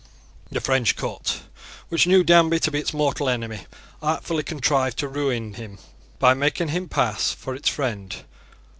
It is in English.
The French court, which knew Danby to be its mortal enemy, artfully contrived to ruin him by making him pass for its friend.